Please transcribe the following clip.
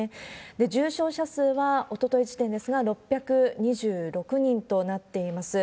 重症者数は、おととい時点ですが、６２６人となっています。